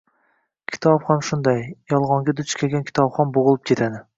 Kitob ham shunday. Yolg’onga duch kelgan kitobxon bo’g’ilib ketadi.